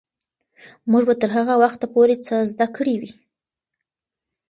موږ به تر هغه وخته ډېر څه زده کړي وي.